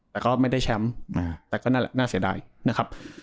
แต่ก็ไม่ได้แชมป์แต่ก็น่าเสียดายนะครับ